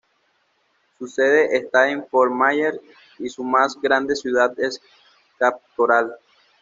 Su sede está en Fort Myers, y su más grande ciudad es Cape Coral.